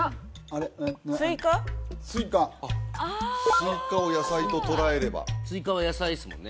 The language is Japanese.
スイカを野菜と捉えればスイカは野菜ですもんね